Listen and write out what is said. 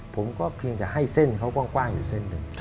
ผมก็เพียงแต่ให้เส้นเขากว้างอยู่เส้นหนึ่ง